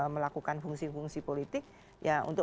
melakukan fungsi fungsi politik